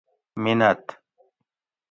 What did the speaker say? مینت